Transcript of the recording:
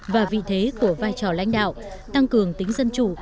và vị thế của vai trò lãnh đạo tăng cường tính dân chủ